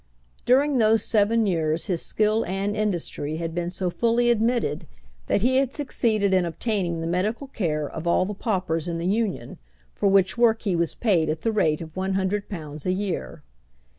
During those seven years his skill and industry had been so fully admitted that he had succeeded in obtaining the medical care of all the paupers in the union, for which work he was paid at the rate of one hundred pounds a year.